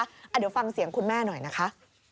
เดี๋ยวฟังเสียงคุณแม่หน่อยนะคะ